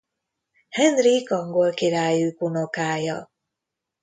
Henrik angol király ükunokája.